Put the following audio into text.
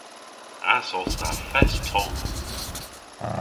Ass os ta fest tomm!